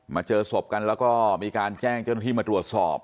เจอศพกันแล้วก็มีการแจ้งเจ้าหน้าที่มาตรวจสอบ